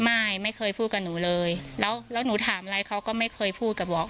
ไม่ไม่เคยพูดกับหนูเลยแล้วหนูถามอะไรเขาก็ไม่เคยพูดกับบอก